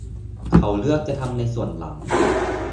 เขาเลือกจะทำในส่วนหลัง